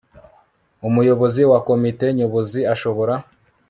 Umuyobozi wa Komite Nyobozi ashobora